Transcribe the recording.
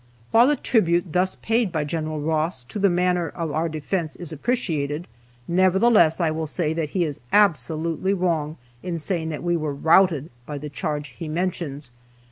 While the tribute thus paid by Gen. Ross to the manner of our defense is appreciated, nevertheless I will say that he is absolutely wrong in saying that we were "routed" by the charge he mentions.